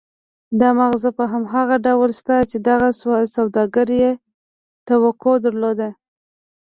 دا مغازه په هماغه ډول شته چې دغه سوداګر يې توقع درلوده.